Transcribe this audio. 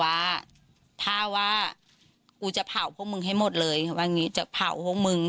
ว่าถ้าว่ากูจะเผาพวกมึงให้หมดเลยเขาว่าอย่างนี้จะเผาพวกมึง